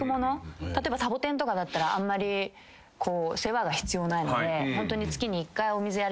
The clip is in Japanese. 例えばサボテンとかだったらあんまり世話が必要ないので。